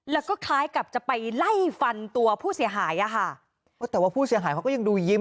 แล้วก็คล้ายกับจะไปไล่ฟันตัวผู้เสียหายอ่ะค่ะโอ้แต่ว่าผู้เสียหายเขาก็ยังดูยิ้ม